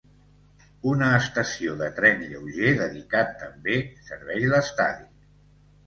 Una estació de tren lleuger dedicat també serveix l'estadi.